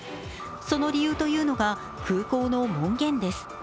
その理由というのが空港の門限です。